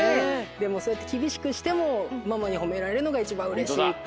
でもそうやってきびしくしてもママにほめられるのがいちばんうれしいって。